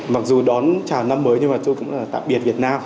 mặc dù đón chào năm mới nhưng mà tôi cũng là tạm biệt việt nam